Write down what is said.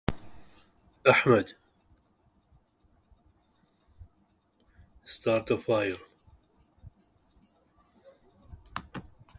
This common theme in medicine is demonstrated by the "star of life".